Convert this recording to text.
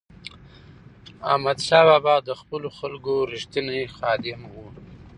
احمدشاه بابا د خپلو خلکو رښتینی خادم و.